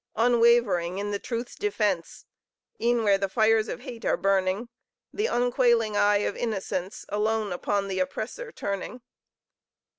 Unwavering in the truth's defence E'en where the fires of hate are burning, The unquailing eye of innocence Alone upon the oppressor turning!